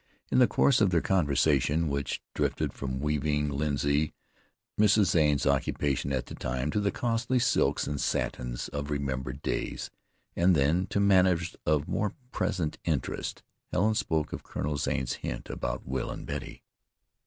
In the course of their conversation, which drifted from weaving linsey, Mrs. Zane's occupation at the tune, to the costly silks and satins of remembered days, and then to matters of more present interest, Helen spoke of Colonel Zane's hint about Will and Betty.